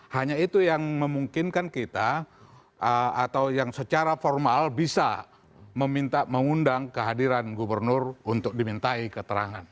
hanya itu yang memungkinkan kita atau yang secara formal bisa meminta mengundang kehadiran gubernur untuk dimintai keterangan